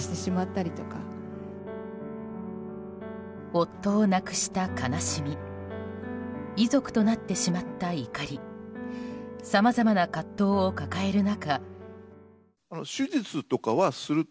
夫を亡くした悲しみ遺族となってしまった怒りさまざまな葛藤を抱える中。